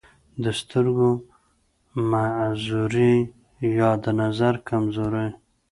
دَسترګو دَمعذورۍ يا دَنظر دَکمزورۍ